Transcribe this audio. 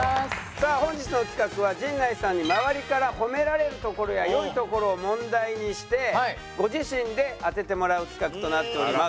さあ本日の企画は陣内さんに周りから褒められるところや良いところを問題にしてご自身で当ててもらう企画となっております。